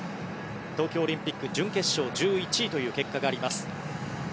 東京オリンピック準決勝１１位という結果があります。